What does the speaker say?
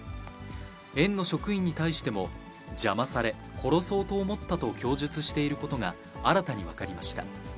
園の職員に対しても、邪魔され、殺そうと思ったと供述していることが新たに分かりました。